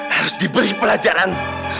harus diberi pelajaran